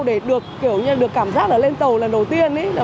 để được kiểu như được cảm giác là lên tàu lần đầu tiên ấy